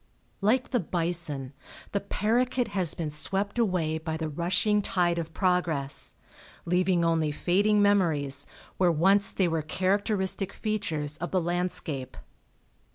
Like the bison, the paroquet has been swept away by the rushing tide of progress, leaving only fading memories where once they were characteristic features of the landscape.